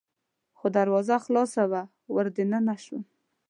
خو دروازه خلاصه وه، ور دننه شوم.